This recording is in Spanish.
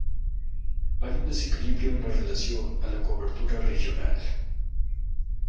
Hay un desequilibrio en relación a la cobertura regional.